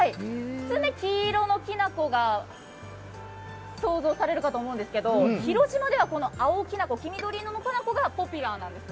黄色のきな粉が想像されるかと思うんですけれど広島ではこの青きな粉、黄緑色のがポプュラーなんです。